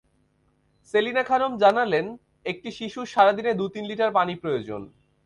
সেলিনা খানম জানালেন, একটি শিশুর সারা দিনে দু-তিন লিটার পানি প্রয়োজন।